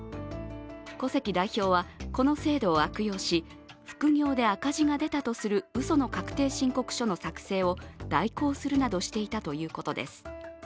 古関代表は、この制度を悪用し副業で赤字が出たとするうその確定申告書の作成を代行するなどしていたということです。